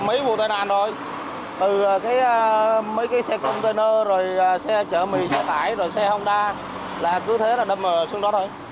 mấy vụ tai nạn thôi từ mấy cái xe container rồi xe chợ mì xe tải rồi xe hông đa là cứ thế là đâm xuống đó thôi